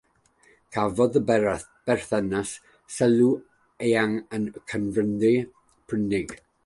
Cafodd y berthynas sylw eang yn y cyfryngau Prydeinig.